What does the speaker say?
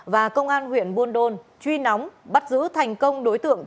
và công an huyện buôn đôn truy nóng bắt giữ thành công đối tượng